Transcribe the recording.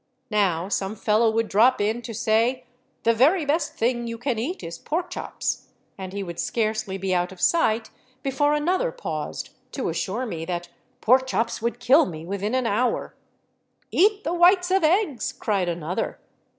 Now some fellow would drop in to say, " the very best thing you can eat is pork chops," and he would scarcely be out of sight before another paused to assure me that 291 VAGABONDING DOWN THE ANDES pork chops would kill me within an hour. " Eat the whites of eggs/' cried another.